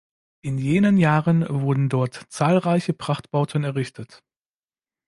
In jenen Jahren wurden dort zahlreiche Prachtbauten errichtet.